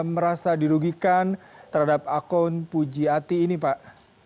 merasa dirugikan terhadap akun puji ati ini pak